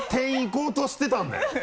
こうとしてたんだよ。